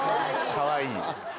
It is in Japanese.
かわいい。